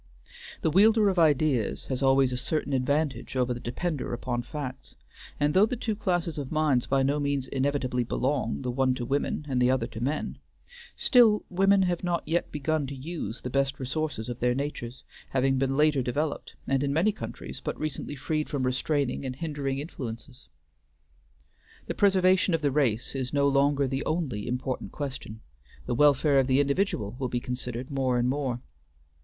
The wielder of ideas has always a certain advantage over the depender upon facts; and though the two classes of minds by no means inevitably belong, the one to women, and the other to men, still women have not yet begun to use the best resources of their natures, having been later developed, and in many countries but recently freed from restraining and hindering influences. The preservation of the race is no longer the only important question; the welfare of the individual will be considered more and more.